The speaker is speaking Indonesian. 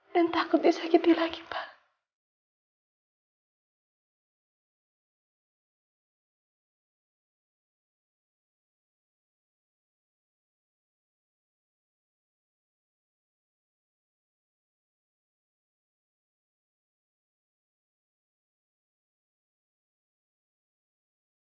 dan takut disakiti lagi pak